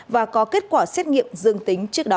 và có kết quả xét nghiệm dương tính trước đó